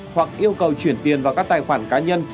hoặc yêu cầu chuyển tiền vào các tài khoản cá nhân